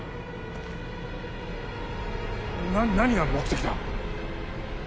な何が目的だ？